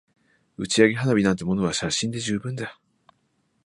打ち上げ花火なんてものは写真で十分だ